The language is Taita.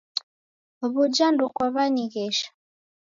W'uja ndokwaw'ianighesha?